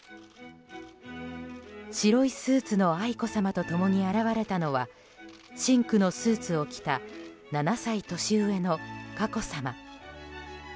白いスーツの愛子さまと共に現れたのは深紅のスーツを着た７歳年上の佳子さま。